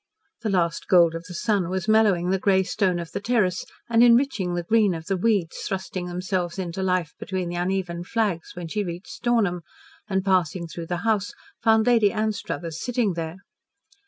The last gold of the sun was mellowing the grey stone of the terrace and enriching the green of the weeds thrusting themselves into life between the uneven flags when she reached Stornham, and passing through the house found Lady Anstruthers sitting there.